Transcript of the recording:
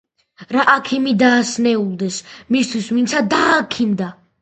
რა აქიმი დასნეულდეს, მისთვის ვინმცა გააქიმდა!